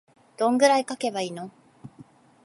どんくらい書けばいいの